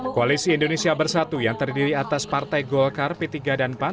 koalisi indonesia bersatu yang terdiri atas partai golkar p tiga dan pan